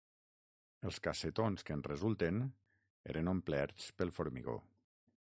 Els cassetons que en resulten eren omplerts pel formigó.